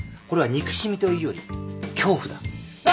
これは憎しみというより恐怖だ。